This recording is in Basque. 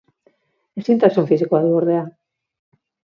Ezintasun fisikoa du, ordea.